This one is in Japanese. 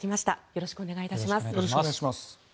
よろしくお願いします。